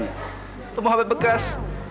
itu mau handphone bekas